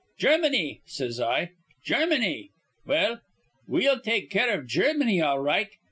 'Germany!' says I, 'Germany! Well, we'll take care iv Germany, all right.